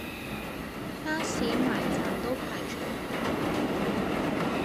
巴士埋站都排長龍